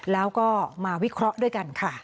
แล้วก็มาวิเคราะห์ด้วยกันค่ะ